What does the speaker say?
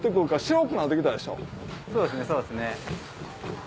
そうですねそうですね。